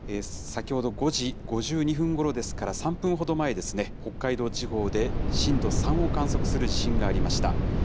先ほど５時５２分ごろですから、３分ほど前ですね、北海道地方で震度３を観測する地震がありました。